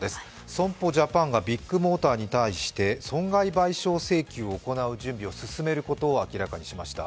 損保ジャパンがビッグモーターに対して損害賠償請求を行う準備を進めることを明らかにしました。